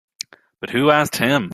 But who asked him?